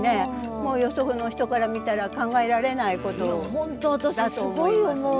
もうよその人から見たら考えられないことだと思いますね。